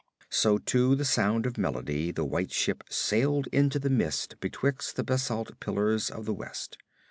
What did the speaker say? So to the sound of melody the White Ship sailed into the mist betwixt the basalt pillars of the West.